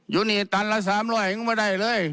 ยูนีตันละ๓๐๐ไม่ได้เลย